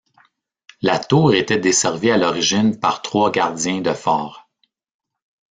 La tour était desservie à l'origine par trois gardiens de phare.